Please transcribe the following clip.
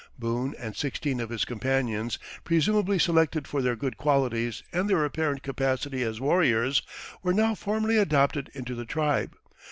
Boone and sixteen of his companions, presumably selected for their good qualities and their apparent capacity as warriors, were now formally adopted into the tribe.